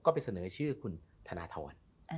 ก็ไปเสนอชื่อคุณธนทร